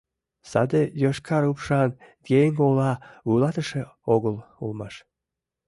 Саде йошкар упшан еҥ ола вуйлатыше огыл улмаш.